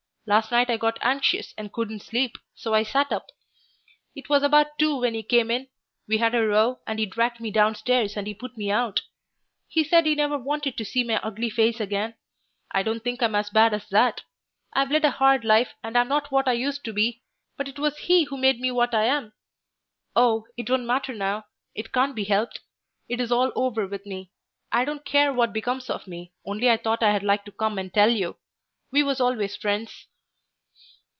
Last night I got anxious and couldn't sleep, so I sat up. It was about two when he came in. We had a row and he dragged me downstairs and he put me out. He said he never wanted to see my ugly face again. I don't think I'm as bad as that; I've led a hard life, and am not what I used to be, but it was he who made me what I am. Oh, it don't matter now, it can't be helped, it is all over with me. I don't care what becomes of me, only I thought I'd like to come and tell you. We was always friends."